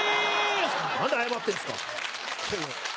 何で謝ってんですか。